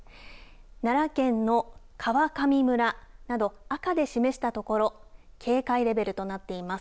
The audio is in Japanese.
奈良県の川上村など、赤で示した所、警戒レベルとなっています。